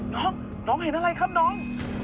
น้องน้องเห็นอะไรครับน้อง